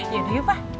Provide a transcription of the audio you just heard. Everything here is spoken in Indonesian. yuk yuk pak